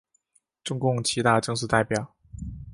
中共七大正式代表。